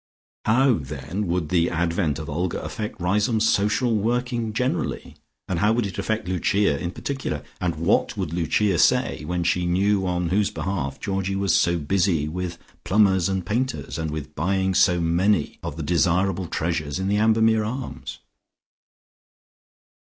How, then, would the advent of Olga affect Riseholme's social working generally, and how would it affect Lucia in particular? And what would Lucia say when she knew on whose behalf Georgie was so busy with plumbers and painters, and with buying so many of the desirable treasures in the Ambermere Arms?